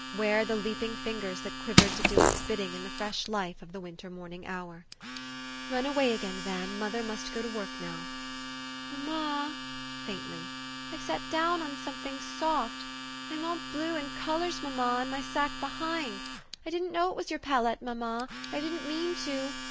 Where are the leaping fingers that quivered to do its bidding in the fresh life of the winter morn ing hour ?" Run away, again, Van: mother must go to work now." " Mamma,'* faintly, " I've sat down on some fing soft. I'm all blue and colors, mamma, on my sack behind. I didn't know it was your palette, mamma. I didn't mean to.